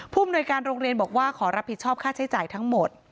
อำนวยการโรงเรียนบอกว่าขอรับผิดชอบค่าใช้จ่ายทั้งหมด